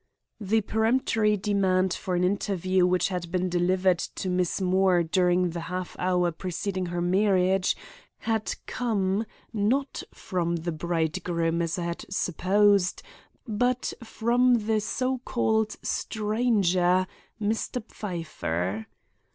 The peremptory demand for an interview which had been delivered to Miss Moore during the half hour preceding her marriage had come, not from the bridegroom as I had supposed, but from the so called stranger, Mr. Pfeiffer.